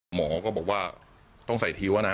หมอก็บอกว่าต้องใส่ทิ้วนะ